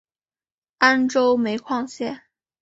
安州煤矿线